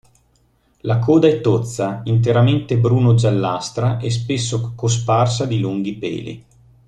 La coda è tozza, interamente bruno-giallastra e spesso cosparsa di lunghi peli.